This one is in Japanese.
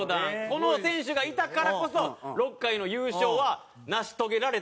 この選手がいたからこそ６回の優勝は成し遂げられたと僕は思ってるんで。